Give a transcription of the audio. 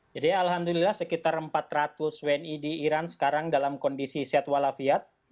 jadi alhamdulillah sekitar empat ratus wni di iran sekarang dalam kondisi set walafiat